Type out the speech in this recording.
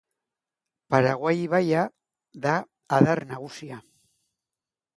Paraguai ibaia da adar nagusia.